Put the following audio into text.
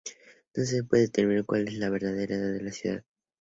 No se puede determinar cual es la verdadera edad de la ciudad.